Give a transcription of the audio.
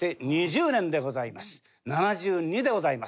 ７２でございます。